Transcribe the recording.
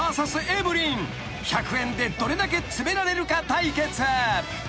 ［１００円でどれだけ詰められるか対決］